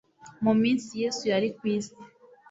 Mu minsi Yesu yari ku isi